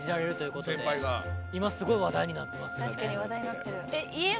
今すごい話題になってますよね。